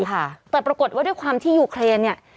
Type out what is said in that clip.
แต่ปรากฏว่าด้วยความที่ยูเครนเนี่ย